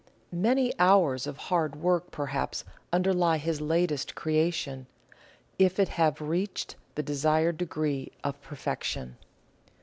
Many hours of hard work perhaps underlie his latest creation, if it have reached the desired degree of perfection.